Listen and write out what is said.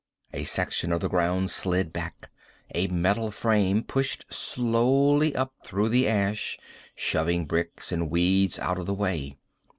A section of the ground slid back. A metal frame pushed slowly up through the ash, shoving bricks and weeds out of the way.